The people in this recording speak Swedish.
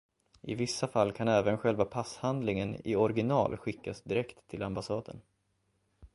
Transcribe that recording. I vissa fall kan även själva passhandlingen i original skickas direkt till ambassaden.